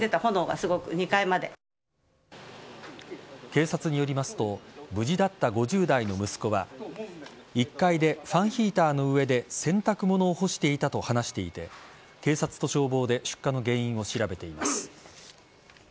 警察によりますと無事だった５０代の息子は１階でファンヒーターの上で洗濯物を干していたと話していて警察と消防で出火の原因を調べています。